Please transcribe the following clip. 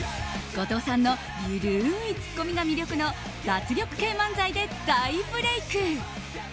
後藤さんの緩いツッコミが魅力の脱力系漫才で大ブレーク。